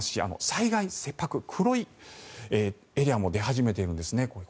災害切迫、黒いエリアも出始めているんですね。